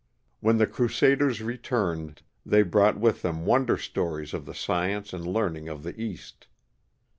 When the crusaders returned, they brought with them won der stories of the science and learning of the East.